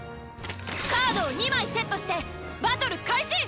カードを２枚セットしてバトル開始！